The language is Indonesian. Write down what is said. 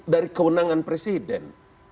dari kewenangan presiden